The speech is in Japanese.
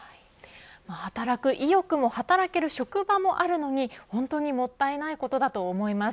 働く意欲も働ける職場もあるのに本当にもったいないことだと思います。